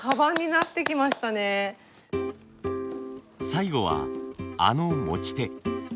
最後はあの持ち手。